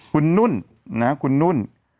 คุณนุ่นนะคุณนุ่น